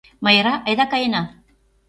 Майра, айда каена!